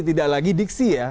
tidak lagi diksi ya